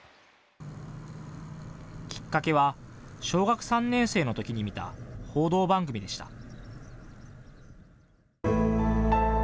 きっかけは小学３年生のときに見た報道番組でした。